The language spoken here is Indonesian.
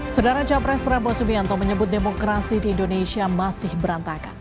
saudara capres prabowo subianto menyebut demokrasi di indonesia masih berantakan